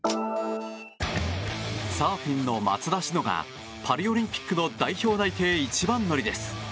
サーフィンの松田詩野がパリオリンピックの代表内定一番乗りです。